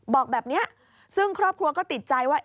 บอกแบบนี้ซึ่งครอบครัวก็ติดใจว่า